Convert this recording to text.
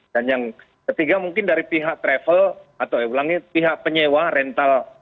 dan yang ketiga mungkin dari pihak travel atau ulangi pihak penyewa rental